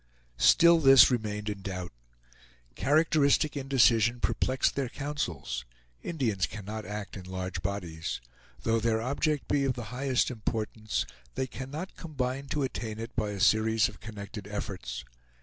Still this remained in doubt. Characteristic indecision perplexed their councils. Indians cannot act in large bodies. Though their object be of the highest importance, they cannot combine to attain it by a series of connected efforts.